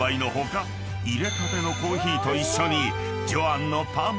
入れたてのコーヒーと一緒に］